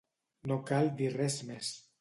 No cal dir res més.